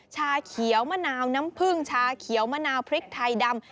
ชาเขียวมะนาวน้ำผึ้งชาเขียวมะนาวพริกไทยดำ